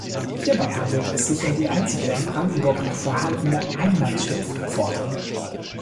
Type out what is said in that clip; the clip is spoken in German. Hierbei handelt es sich um die einzige in Brandenburg noch vorhandene Ein-Mann-Schlupfpforte.